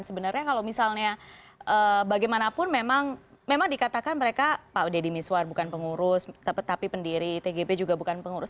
sebenarnya kalau misalnya bagaimanapun memang dikatakan mereka pak deddy miswar bukan pengurus tetapi pendiri tgp juga bukan pengurus